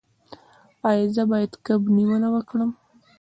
ایا زه باید کب نیونه وکړم؟